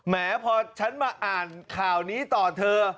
แม้พอฉันมาอ่านข่าวนี้ต่อเธอ